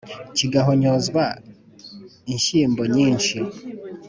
kigahonyozwa inshyimbo nyinshi